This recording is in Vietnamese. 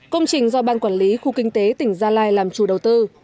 công trình do ban quản lý khu kinh tế tỉnh gia lai làm chủ đầu tư